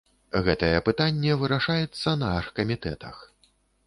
Гэтае пытанне вырашаецца на аргкамітэтах.